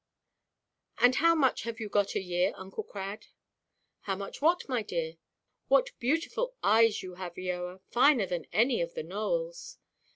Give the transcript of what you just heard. And how much have you got a year, Uncle Crad?" "How much what, my dear? What beautiful eyes you have, Eoa; finer than any of the Nowells!"